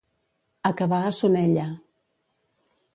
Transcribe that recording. Acabar a Sonella.